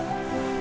sampai jumpa lagi